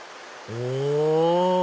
お！